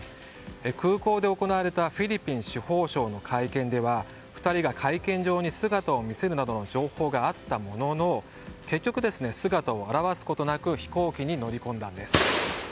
空港で行われたフィリピン司法省の会見では２人が会見場に姿を見せるなどの情報があったものの結局、姿を現すことなく飛行機に乗り込んだんです。